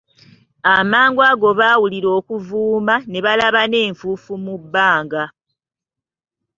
Amangu ago baawulira okuvuuma, ne balaba n'enfuufu mu bbanga.